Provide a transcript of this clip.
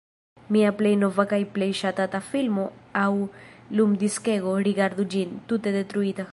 Mia plej nova kaj plej ŝatata filmo aŭ lumdiskego, rigardu ĝin: tute detruita.